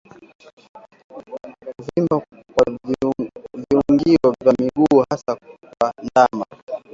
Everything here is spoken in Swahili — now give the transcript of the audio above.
Kuvimba kwa viungio vya miguu hasa kwa ndama